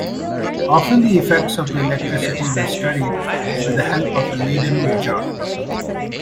Often the effects of electricity were studied, with the help of the Leyden jar.